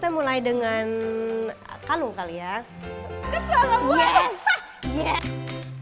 terdapatlah terdapatlah terdapatlah